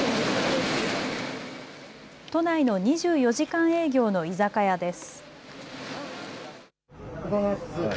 都内の２４時間営業の居酒屋です。